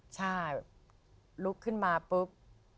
ใช่ลุกขึ้นมาปุ๊บ